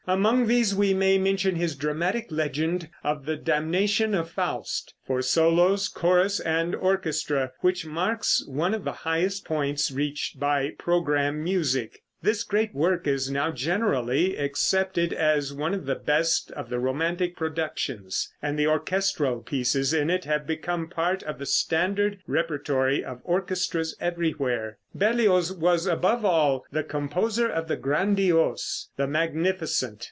Among these we may mention his dramatic legend of "The Damnation of Faust," for solos, chorus and orchestra, which marks one of the highest points reached by program music. This great work is now generally accepted as one of the best of the romantic productions, and the orchestral pieces in it have become part of the standard repertory of orchestras everywhere. Berlioz was above all the composer of the grandiose, the magnificent.